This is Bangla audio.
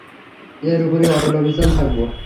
এর উপরই অটল অবিচল থাকব।